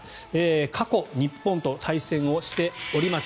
過去、日本と対戦をしております。